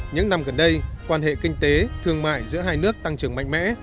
những năm gần đây quan hệ kinh tế thương mại giữa hai nước tăng trưởng mạnh mẽ